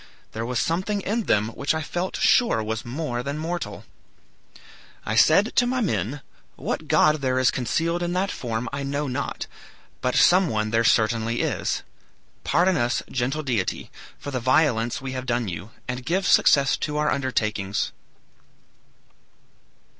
There was something in them which I felt sure was more than mortal. I said to my men, 'What god there is concealed in that form I know not, but some one there certainly is. Pardon us, gentle deity, for the violence we have done you, and give success to our undertakings.'